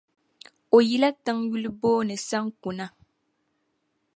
O yila tiŋ yuli booni Sanku na.